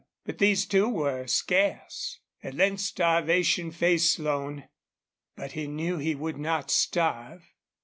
But these, too, were scarce. At length starvation faced Slone. But he knew he would not starve.